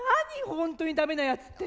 ほんとにダメなやつって。